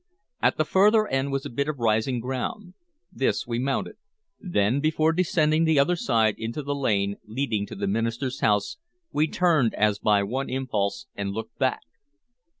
At the further end was a bit of rising ground. This we mounted; then, before descending the other side into the lane leading to the minister's house, we turned as by one impulse and looked back.